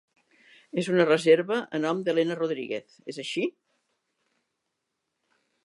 és una reserva a nom d'Elena Rodríguez, és així?